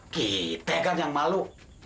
kita kan yang malu